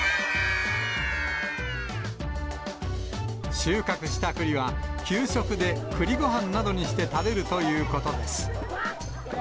収穫したくりは、給食でくりごはんなどにして食べるということです。